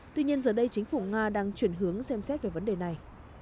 tuy nhiên giờ đây chính phủ nga đang chuyển hướng xem xét về vấn đề này